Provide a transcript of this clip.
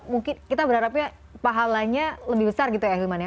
mungkin kita berharapnya pahalanya lebih besar gitu ya